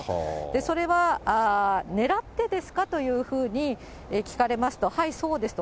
それは狙ってですか？というふうに聞かれますと、はい、そうですと。